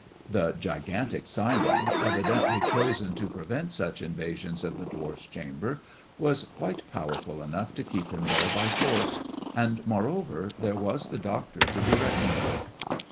The gigantic Simon, evidently chosen to prevent such invasions of the dwarf's chamber, was quite powerful enough to keep him there by force, and moreover there was the doctor to be reckoned with.